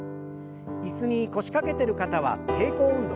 椅子に腰掛けてる方は抵抗運動。